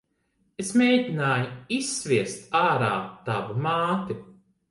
Es mēgināju izsviest ārā tavu māti.